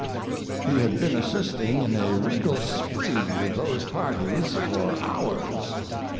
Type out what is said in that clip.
He had been assisting in a regal spree with those parties for hours.